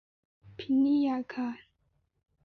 皮尼亚克。